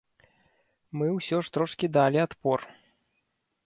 Мы ўсё ж трошкі далі адпор.